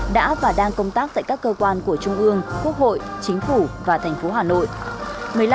đã và đang công tác tại các cơ quan của trung ương quốc hội chính phủ và thành phố hà nội